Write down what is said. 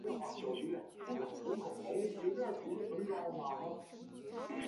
万历三十八年登庚戌科进士。